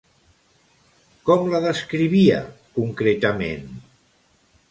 Com la descrivia, concretament?